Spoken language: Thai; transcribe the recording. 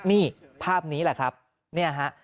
นี่ภาพนี้แหละครับเนี่ยฮะ